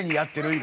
今。